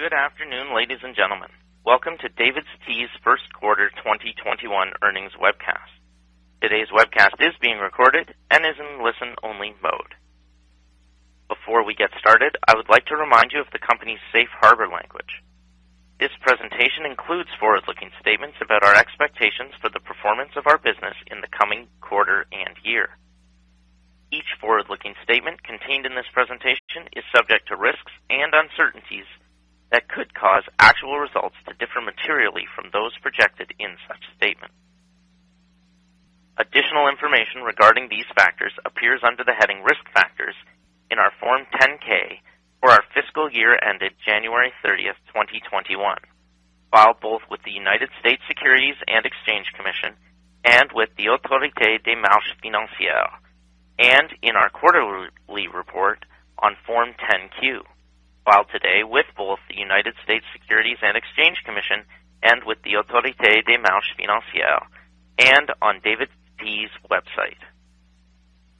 Good afternoon, ladies and gentlemen. Welcome to DAVIDsTEA's First Quarter 2021 Earnings webcast. Today's webcast is being recorded and is in listen-only mode. Before we get started, I would like to remind you of the company's safe harbor language. This presentation includes forward-looking statements about our expectations for the performance of our business in the coming quarter and year. Each forward-looking statement contained in this presentation is subject to risks and uncertainties that could cause actual results to differ materially from those projected in such statements. Additional information regarding these factors appears under the heading risk factors in our Form 10-K for our fiscal year ended January 30th, 2021, filed both with the United States Securities and Exchange Commission and with the Autorité des marchés financiers, and in our quarterly report on Form 10-Q, filed today with both the United States Securities and Exchange Commission and with the Autorité des marchés financiers, and on DAVIDsTEA's website.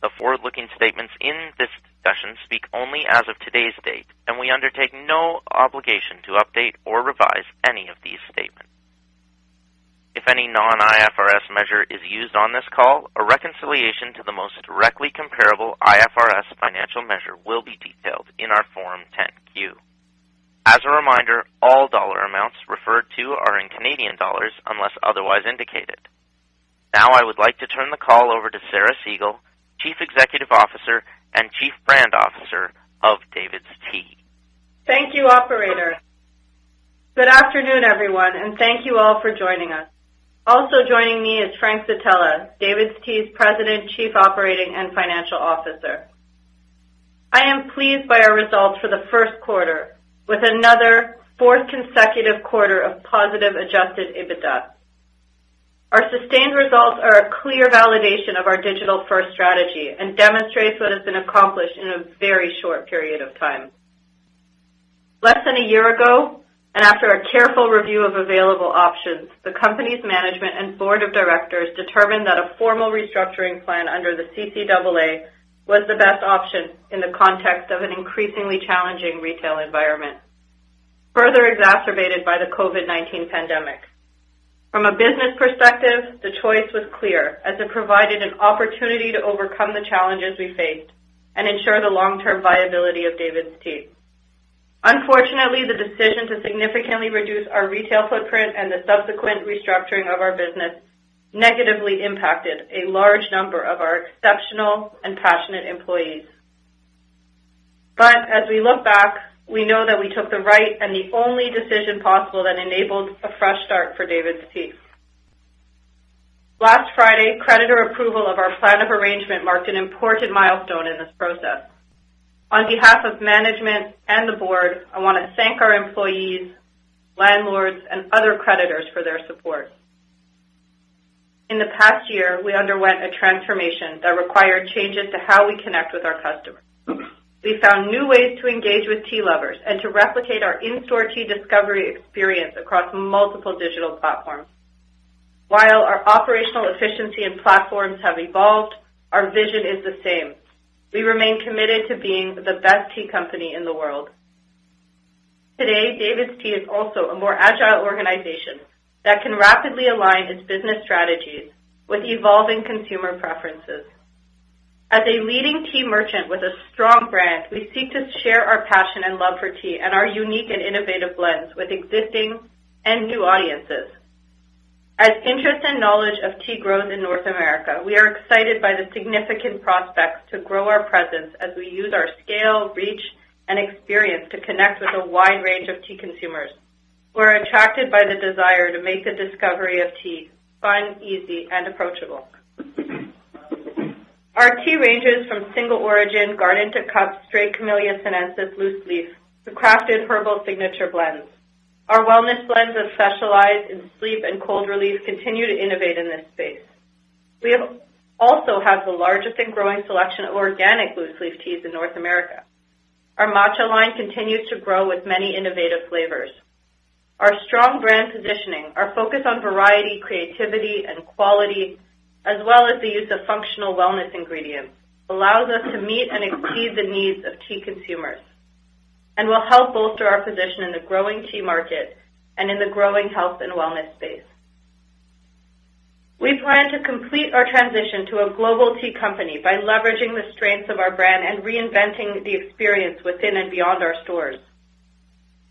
The forward-looking statements in this discussion speak only as of today's date, and we undertake no obligation to update or revise any of these statements. If any non-IFRS measure is used on this call, a reconciliation to the most directly comparable IFRS financial measure will be detailed in our Form 10-Q. As a reminder, all dollar amounts referred to are in Canadian dollars unless otherwise indicated. I would like to turn the call over to Sarah Segal, Chief Executive Officer and Chief Brand Officer of DAVIDsTEA. Thank you, operator. Good afternoon, everyone, and thank you all for joining us. Also joining me is Frank Zitella, DAVIDsTEA's President, Chief Operating and Financial Officer. I am pleased by our results for the first quarter with another fourth consecutive quarter of positive adjusted EBITDA. Our sustained results are a clear validation of our digital-first strategy and demonstrates what has been accomplished in a very short period of time. Less than a year ago, and after a careful review of available options, the company's management and Board of Directors determined that a formal restructuring plan under the CCAA was the best option in the context of an increasingly challenging retail environment, further exacerbated by the COVID-19 pandemic. From a business perspective, the choice was clear as it provided an opportunity to overcome the challenges we faced and ensure the long-term viability of DAVIDsTEA. Unfortunately, the decision to significantly reduce our retail footprint and the subsequent restructuring of our business negatively impacted a large number of our exceptional and passionate employees. As we look back, we know that we took the right and the only decision possible that enabled a fresh start for DAVIDsTEA. Last Friday, creditor approval of our plan of arrangement marked an important milestone in this process. On behalf of management and the board, I want to thank our employees, landlords, and other creditors for their support. In the past year, we underwent a transformation that required changes to how we connect with our customers. We found new ways to engage with tea lovers and to replicate our in-store tea discovery experience across multiple digital platforms. While our operational efficiency and platforms have evolved, our vision is the same. We remain committed to being the best tea company in the world. Today, DAVIDsTEA is also a more agile organization that can rapidly align its business strategies with evolving consumer preferences. As a leading tea merchant with a strong brand, we seek to share our passion and love for tea and our unique and innovative blends with existing and new audiences. As interest and knowledge of tea grows in North America, we are excited by the significant prospects to grow our presence as we use our scale, reach, and experience to connect with a wide range of tea consumers who are attracted by the desire to make the discovery of tea fun, easy, and approachable. Our tea ranges from single-origin garden-to-cup straight Camellia sinensis loose leaf to crafted herbal signature blends. Our wellness blends of specialized in sleep and cold relief continue to innovate in this space. We also have the largest and growing selection of organic loose leaf teas in North America. Our matcha line continues to grow with many innovative flavors. Our strong brand positioning, our focus on variety, creativity, and quality, as well as the use of functional wellness ingredients, allows us to meet and exceed the needs of tea consumers and will help bolster our position in the growing tea market and in the growing health and wellness space. We plan to complete our transition to a global tea company by leveraging the strengths of our brand and reinventing the experience within and beyond our stores.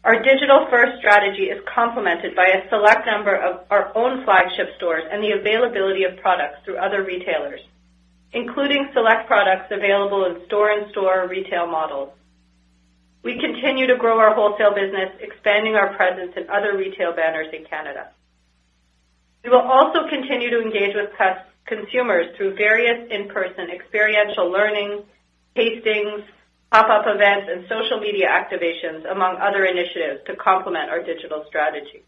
Our digital-first strategy is complemented by a select number of our own flagship stores and the availability of products through other retailers, including select products available in store-in-store retail models. We continue to grow our wholesale business, expanding our presence in other retail banners in Canada. We will also continue to engage with consumers through various in-person experiential learnings, tastings, pop-up events, and social media activations, among other initiatives to complement our digital strategy.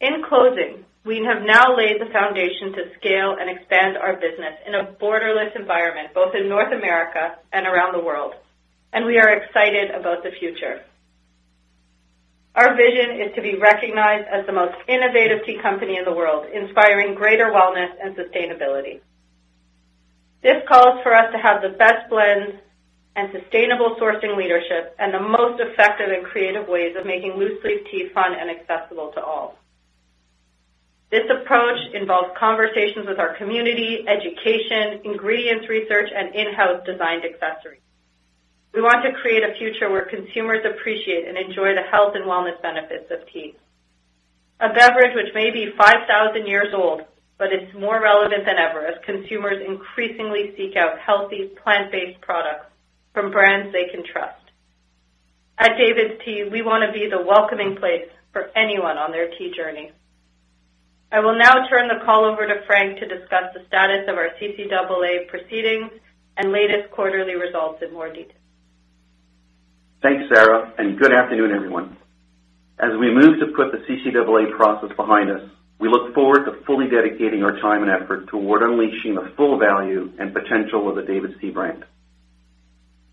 In closing, we have now laid the foundation to scale and expand our business in a borderless environment, both in North America and around the world, and we are excited about the future. Our vision is to be recognized as the most innovative tea company in the world, inspiring greater wellness and sustainability. This calls for us to have the best blends and sustainable sourcing leadership, and the most effective and creative ways of making loose leaf tea fun and accessible to all. This approach involves conversations with our community, education, ingredients research, and in-house designed accessories. We want to create a future where consumers appreciate and enjoy the health and wellness benefits of tea, a beverage which may be 5,000 years old, but it's more relevant than ever as consumers increasingly seek out healthy plant-based products from brands they can trust. At DAVIDsTEA, we want to be the welcoming place for anyone on their tea journey. I will now turn the call over to Frank to discuss the status of our CCAA proceedings and latest quarterly results in more detail. Thanks, Sarah, and good afternoon, everyone. As we move to put the CCAA process behind us, we look forward to fully dedicating our time and effort toward unleashing the full value and potential of the DAVIDsTEA brand.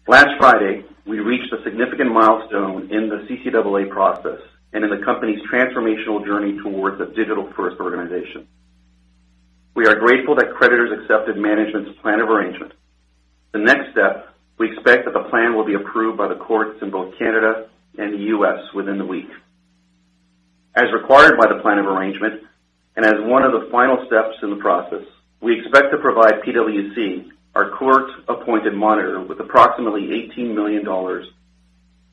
Last Friday, we reached a significant milestone in the CCAA process and in the company's transformational journey towards a digital-first organization. We are grateful that creditors accepted management's plan of arrangement. The next step, we expect that the plan will be approved by the courts in both Canada and the U.S. within the week. As required by the plan of arrangement, and as one of the final steps in the process, we expect to provide PwC, our court-appointed monitor, with approximately 18 million dollars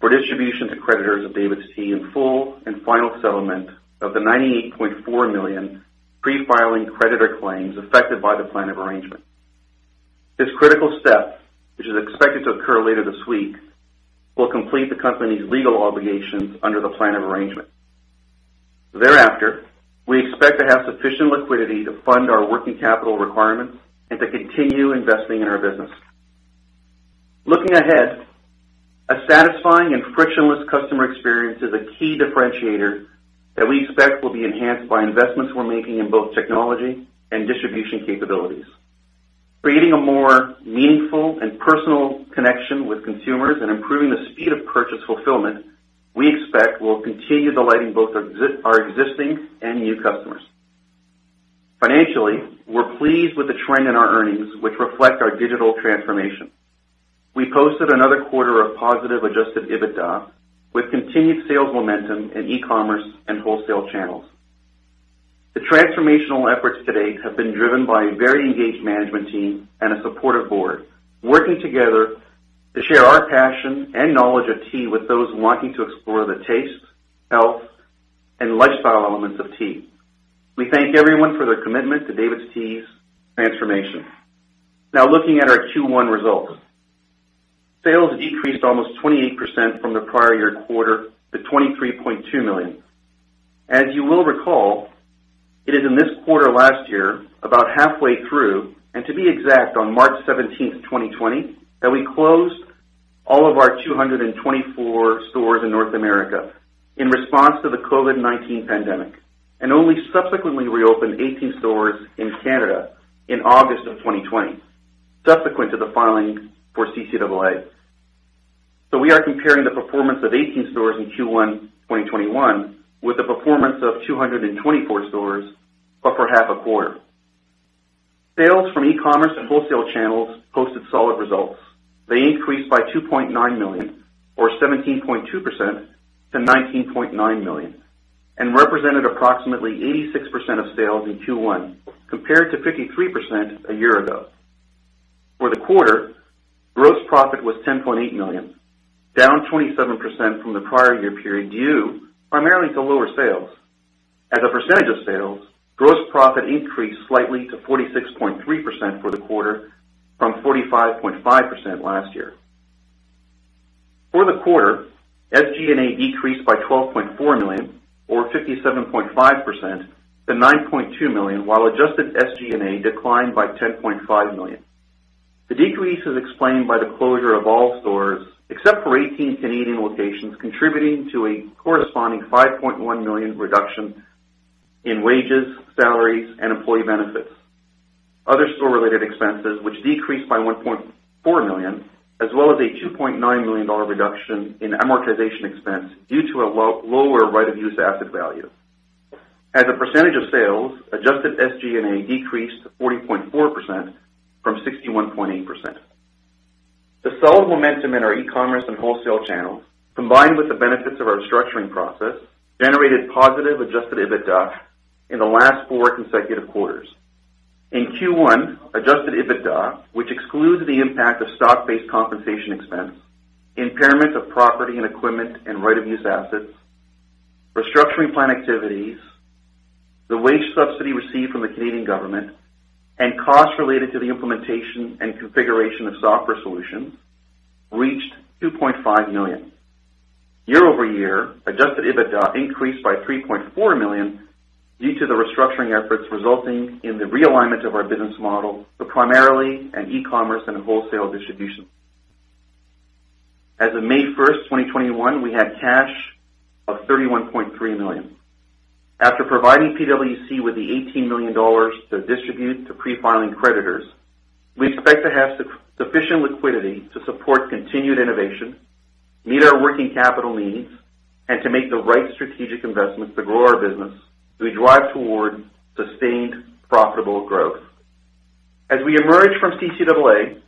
for distribution to creditors of DAVIDsTEA in full and final settlement of the 98.4 million pre-filing creditor claims affected by the plan of arrangement. This critical step, which is expected to occur later this week, will complete the company's legal obligations under the plan of arrangement. Thereafter, we expect to have sufficient liquidity to fund our working capital requirements and to continue investing in our business. Looking ahead, a satisfying and frictionless customer experience is a key differentiator that we expect will be enhanced by investments we're making in both technology and distribution capabilities. Creating a more meaningful and personal connection with consumers and improving the speed of purchase fulfillment, we expect will continue delighting both our existing and new customers. Financially, we're pleased with the trend in our earnings, which reflect our digital transformation. We posted another quarter of positive adjusted EBITDA with continued sales momentum in e-commerce and wholesale channels. The transformational efforts to date have been driven by a very engaged management team and a supportive board, working together to share our passion and knowledge of tea with those wanting to explore the taste, health, and lifestyle elements of tea. We thank everyone for their commitment to DAVIDsTEA's transformation. Now, looking at our Q1 results. Sales decreased almost 28% from the prior year quarter to 23.2 million. As you will recall, it is in this quarter last year, about halfway through, and to be exact, on March 17th, 2020, that we closed all of our 224 stores in North America in response to the COVID-19 pandemic, and only subsequently reopened 18 stores in Canada in August of 2020, subsequent to the filing for CCAA. We are comparing the performance of 18 stores in Q1 2021 with the performance of 224 stores, but for half a quarter. Sales from e-commerce and wholesale channels posted solid results. They increased by 2.9 million or 17.2% to 19.9 million, and represented approximately 86% of sales in Q1 compared to 53% a year ago. For the quarter, gross profit was 10.8 million, down 27% from the prior year period due primarily to lower sales. As a percentage of sales, gross profit increased slightly to 46.3% for the quarter from 45.5% last year. For the quarter, SG&A decreased by 12.4 million or 57.5% to 9.2 million while adjusted SG&A declined by 10.5 million. The decrease is explained by the closure of all stores except for 18 Canadian locations contributing to a corresponding 5.1 million reduction in wages, salaries, and employee benefits. Other store-related expenses, which decreased by 1.4 million, as well as a 2.9 million dollar reduction in amortization expense due to a lower right of use asset value. As a percentage of sales, adjusted SG&A decreased to 40.4% from 61.8%. The solid momentum in our e-commerce and wholesale channels, combined with the benefits of our restructuring process, generated positive adjusted EBITDA in the last four consecutive quarters. In Q1, adjusted EBITDA, which excludes the impact of stock-based compensation expense, impairment of property and equipment and right of use assets, restructuring plan activities, the wage subsidy received from the Canadian government, and costs related to the implementation and configuration of software solutions, reached 2.5 million. Year-over-year, adjusted EBITDA increased by 3.4 million due to the restructuring efforts resulting in the realignment of our business model, but primarily in e-commerce and wholesale distribution. As of May 1st, 2021, we had cash of 31.3 million. After providing PwC with the 18 million dollars to distribute to pre-filing creditors, we expect to have sufficient liquidity to support continued innovation, meet our working capital needs, and to make the right strategic investments to grow our business as we drive toward sustained profitable growth. As we emerge from CCAA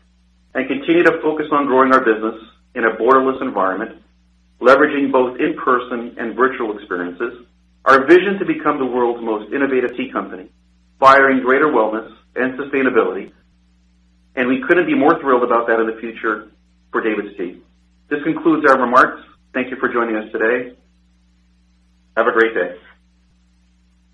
and continue to focus on growing our business in a borderless environment, leveraging both in-person and virtual experiences, our vision is to become the world's most innovative tea company, inspiring greater wellness and sustainability. We couldn't be more thrilled about that and the future for DAVIDsTEA. This concludes our remarks. Thank you for joining us today. Have a great day.